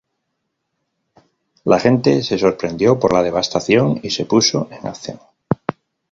La gente se sorprendió por la devastación y se puso en acción.